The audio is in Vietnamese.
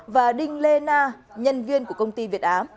và đinh lê na nhân viên của công ty việt á